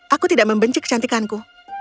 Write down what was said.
aku tidak membenci kecantikanku